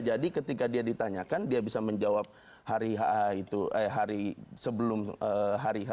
jadi ketika dia ditanyakan dia bisa menjawab hari h itu hari sebelum hari h itu bisa menjawab hari h itu